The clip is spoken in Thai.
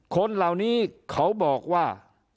คนเหล่านี้เขาบอกว่า